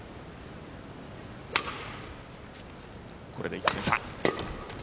これで１点差。